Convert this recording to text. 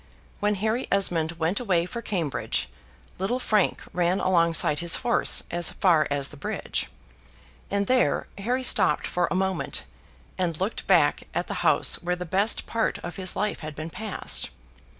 When Harry Esmond went away for Cambridge, little Frank ran alongside his horse as far as the bridge, and there Harry stopped for a moment, and looked back at the house where the best part of his life had been passed.